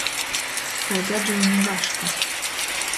Kai Gadžyuņu gaška!